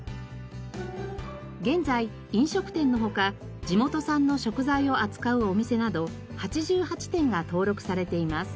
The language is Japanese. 現在飲食店の他地元産の食材を扱うお店など８８店が登録されています。